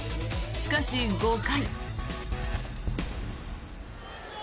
しかし、５回。